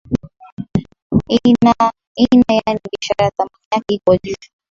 ina ina yaani biashara thamani yake iko juu